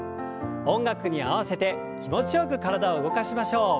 音楽に合わせて気持ちよく体を動かしましょう。